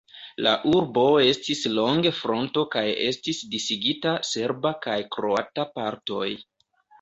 La urbo estis longe fronto kaj estis disigita serba kaj kroata partoj.